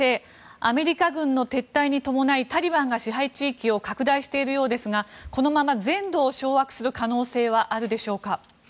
アメリカ軍の撤退に伴いタリバンが支配地域を拡大しているようですがこのまま全土を掌握する可能性はあるでしょうか。